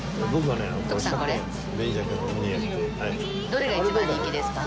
どれが一番人気ですか？